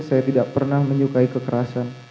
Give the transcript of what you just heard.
saya tidak pernah menyukai kekerasan